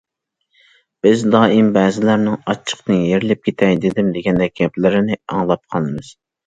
بىز دائىم بەزىلەرنىڭ‹‹ ئاچچىقتىن يېرىلىپ كېتەي دېدىم›› دېگەندەك گەپلىرىنى ئاڭلاپ قالىمىز.